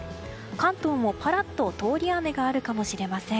関東もカラッと通り雨があるかもしれません。